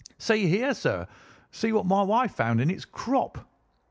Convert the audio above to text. "See here, sir! See what my wife found in its crop!"